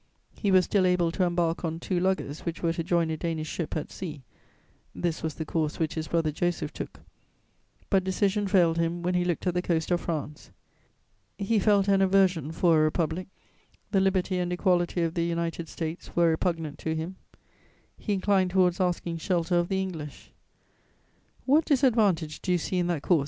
He was still able to embark on two luggers which were to join a Danish ship at sea (this was the course which his brother Joseph took); but decision failed him when he looked at the coast of France. He felt an aversion for a republic; the liberty and equality of the United States were repugnant to him. He inclined towards asking shelter of the English: "What disadvantage do you see in that course?"